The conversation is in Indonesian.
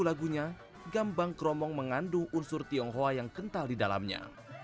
lagunya gambang kromong mengandung unsur tionghoa yang kental di dalamnya